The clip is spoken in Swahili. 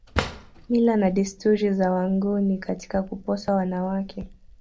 Mila na desturi za wangoni katika kuposa wanawake